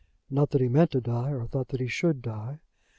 Not that he meant to die, or thought that he should die.